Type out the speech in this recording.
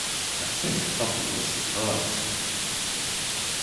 I think Tuppy was surprised.